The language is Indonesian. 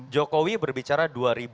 jokowi berbicara dua ribu dua puluh empat